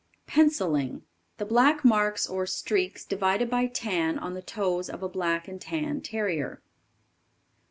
Penciling. The black marks or streaks divided by tan on the toes of a Black and tan Terrier.